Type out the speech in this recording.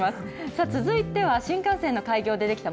さあ、続いては新幹線の開業で出来た